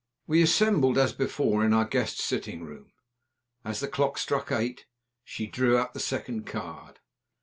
We assembled as before in our guest's sitting room. As the clock struck eight she drew out the second card.